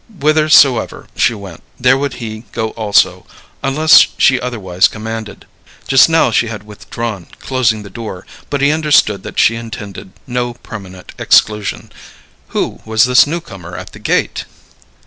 Whithersoever she went, there would he go also, unless she otherwise commanded. Just now she had withdrawn, closing the door, but he understood that she intended no permanent exclusion. Who was this newcomer at the gate?